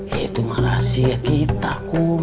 ya itu mah rahasia kita kum